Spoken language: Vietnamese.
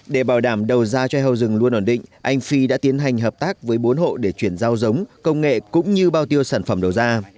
để bảo đảm đầu ra cho hầu rừng luôn ổn định anh phi đã tiến hành hợp tác với bốn hộ để chuyển giao giống công nghệ cũng như bao tiêu sản phẩm đầu ra